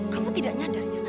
kamu tidak nyadarnya